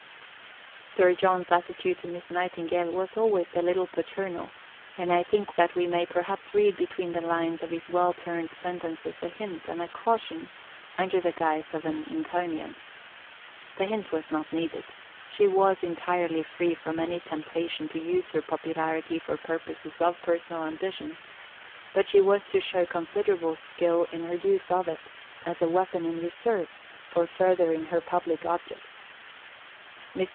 Sir John's attitude to Miss Nightingale was always a little paternal, and I think that we may perhaps read between the lines of his well turned sentences a hint and a caution, under the guise of an encomium. The hint was not needed. She was entirely free from any temptation to use her popularity for purposes of personal ambition; but she was to show considerable skill in the use of it, as a weapon in reserve, for furthering her public objects. Mr.